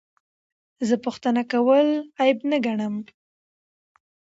زه پوښتنه کول عیب نه ګڼم.